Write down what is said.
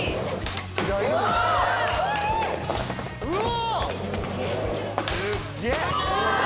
うわ！